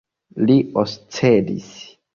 Li oscedis.